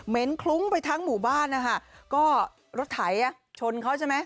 เหม็นคลุ้งไปทั้งหมู่บ้านรถไถชนเขาใช่ไหม